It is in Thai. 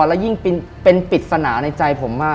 และยิ่งเป็นปิดสนาในใจผมว่า